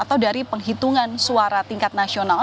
atau dari penghitungan suara tingkat nasional